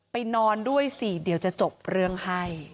นอนด้วยสิเดี๋ยวจะจบเรื่องให้